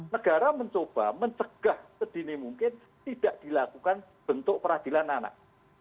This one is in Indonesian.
negara mencoba mencegah sedini mungkin tidak dilakukan bentuk peradilan anak